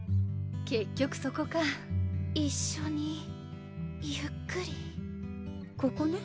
結局そこか一緒にゆっくりここね？